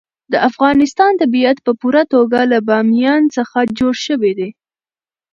د افغانستان طبیعت په پوره توګه له بامیان څخه جوړ شوی دی.